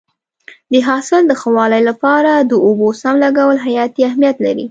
د حاصل د ښه والي لپاره د اوبو سم لګول حیاتي اهمیت لري.